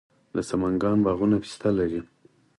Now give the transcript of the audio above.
د سمنګان باغونه پسته لري.